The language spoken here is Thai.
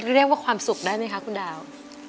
เรียกว่าความสุขได้ไหมคะคุณดาว